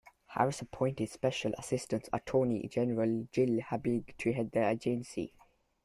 Harris appointed special assistant attorney general Jill Habig to head the agency.